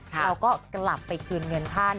เราก็กลับไปคืนเงินท่าน